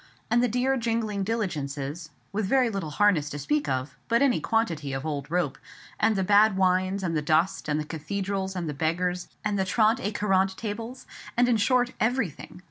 And the dear jingling diligences, with very little harness to speak of, but any quantity of old rope; and the bad wines, and the dust, and the cathedrals, and the beggars, and the trente et quarante tables, and in short everything.